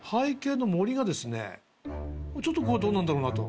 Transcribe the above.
ちょっとどうなんだろうと。